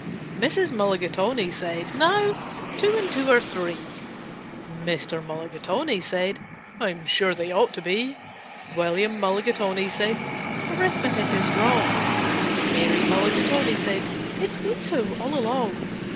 Mrs. Mulligatawny said, "Now two and two are three." Mr. Mulligatawny said, "I'm sure they ought to be." William Mulligatawny said, "Arithmetic is wrong." Mary Mulligatawny said, "It's been so all along."